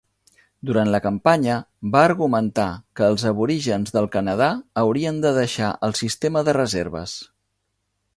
Durant la campanya, va argumentar que els aborígens del Canadà haurien de deixar el sistema de reserves.